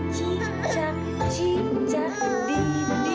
cincang cincang di dinding